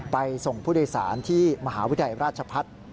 ส่งผู้โดยสารที่มหาวิทยาลัยราชพัฒน์